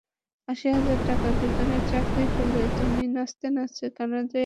আশি হাজার টাকা বেতনের চাকরি ফেলে তুমি নাচতে নাচতে কানাডায় আসলে।